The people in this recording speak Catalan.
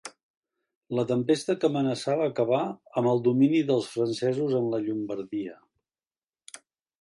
La tempesta que amenaçava acabar amb el domini dels francesos en la Llombardia.